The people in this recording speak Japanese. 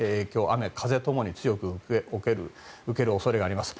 雨風ともに強く受ける恐れがあります。